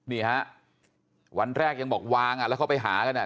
นี่ฮะวันแรกยังบอกวางอ่ะแล้วเขาไปหากันอ่ะ